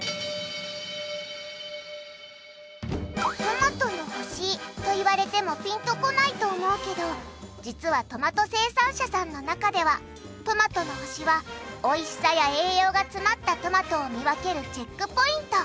トマトの星といわれてもピンとこないと思うけど実はトマト生産者さんの中ではトマトの星はおいしさや栄養が詰まったトマトを見分けるチェックポイント。